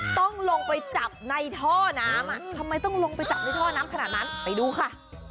ต้องลงไปจับในท่อน้ำอ่ะทำไมต้องลงไปจับในท่อน้ำขนาดนั้นไปดูค่ะ